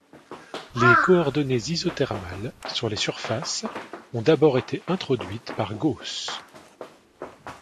Les coordonnées isothermales sur les surfaces ont d'abord été introduite par Gauss.